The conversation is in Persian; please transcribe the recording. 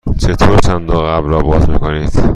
چطور صندوق عقب را باز می کنید؟